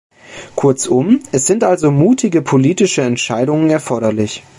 Kurzum, es sind also mutige politische Entscheidungen erforderlich.